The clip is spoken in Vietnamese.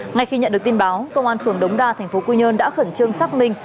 ngay khi nhận được tin báo công an phường đống đa tp thq đã khẩn trương xác minh